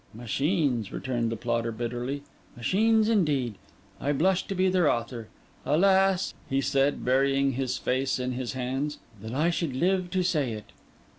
'Machines!' returned the plotter bitterly. 'Machines indeed! I blush to be their author. Alas!' he said, burying his face in his hands, 'that I should live to say it!